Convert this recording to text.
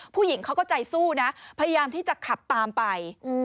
ผู้หญิงเขาก็ใจสู้นะพยายามที่จะขับตามไป